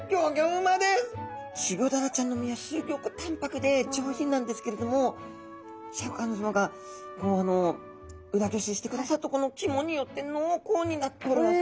チゴダラちゃんの身はすギョく淡白で上品なんですけれどもシャーク香音さまが裏ごししてくださったこの肝によって濃厚になっております。